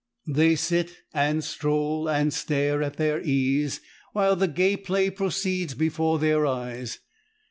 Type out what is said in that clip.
They sit and stroll and stare at their ease while the gay play proceeds before their eyes.